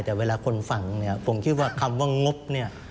แต่เวลาคนฟังเนี่ยผมคิดว่าคำว่างบเนี่ย